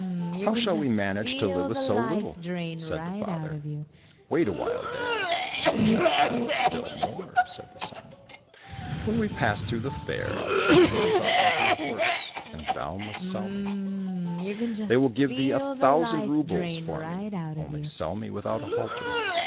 " How shall we manage to live with so little }" said the father. —" Wait a while, dad, and we shall have still more," said the son. " When we pass through the fair I'll change myself into a horse, and thou must sell OH: THE TSAR OF THE FOREST me. They will give thee a thousand roubles for me, only sell me without a halter."